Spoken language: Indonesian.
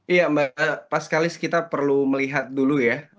iya mbak pas kalis kita perlu melihat dulu ya